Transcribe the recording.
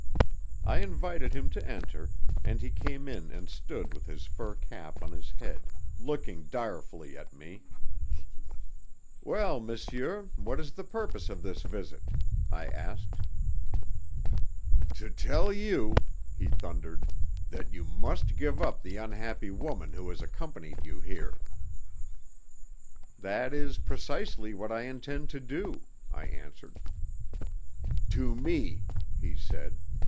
I invited him to enter, and he came in and stood with his fur cap on his head, looking direfully at me. "Well, monsieur, what is the purpose of this visit?" I asked. "To tell you," he thundered, "that you must give up the unhappy woman who has accompanied you here." "That is precisely what I intend to do," I answered. "To me," he said.